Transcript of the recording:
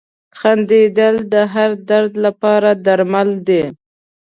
• خندېدل د هر درد لپاره درمل دي.